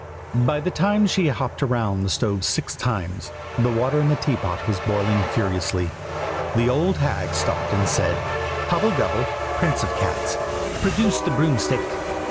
"By the time she had hopped round the stove six times, the water in the teapot was boiling furiously. The old hag stopped and said "Hobble gobble, prince of cats, produce the broom stick!"